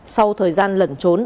sau thời gian lẩn trốn